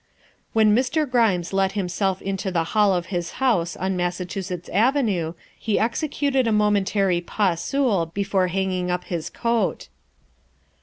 When Mr. Grimes let himself into the hall of his house on Massachusetts Avenue he executed a momen tary pas seul before hanging up his hat.